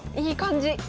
いい感じ。